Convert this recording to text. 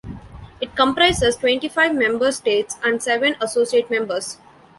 It comprises twenty-five member states and seven associate members.